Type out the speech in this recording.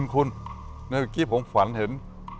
คุณในวันนี้ผมฝันเห็น